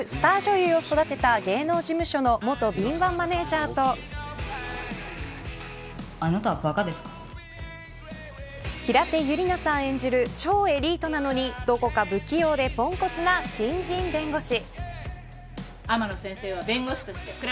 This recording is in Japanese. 演じるスター女優を育てた芸能事務所の元敏腕マネジャーと平手友梨奈さん演じる超エリートなのにどこか不器用でポンコツな新人弁護士。